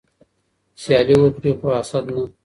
سیالي وکړئ خو حسد نه.